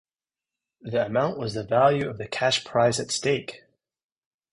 "The amount" was the value of the cash prize at stake.